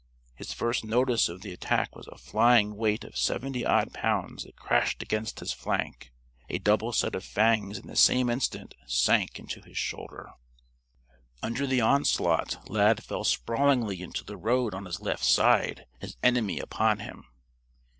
His first notice of the attack was a flying weight of seventy odd pounds that crashed against his flank. A double set of fangs in the same instant, sank into his shoulder. Under the onslaught Lad fell sprawlingly into the road on his left side, his enemy upon him.